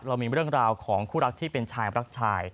เรามีเรื่องราวของคู่รักที่เป็นชายรักชาย